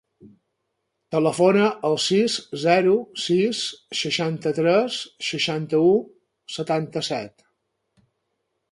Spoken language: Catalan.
Telefona al sis, zero, sis, seixanta-tres, seixanta-u, setanta-set.